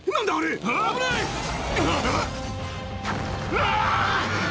うわ！